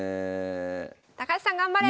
高橋さん頑張れ！